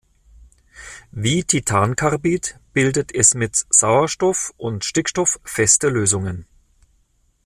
Wie Titancarbid bildet es mit Sauerstoff und Stickstoff feste Lösungen.